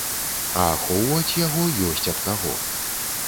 А ахоўваць яго ёсць ад каго.